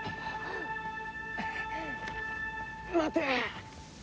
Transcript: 待て！